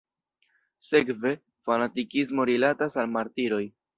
Sekve, fanatikismo rilatas al martiroj.